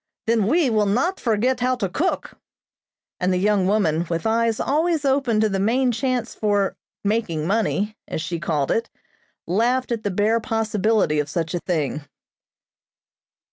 Then we will not forget how to cook," and the young woman, with eyes always open to the main chance for "making money," as she called it, laughed at the bare possibility of such a thing.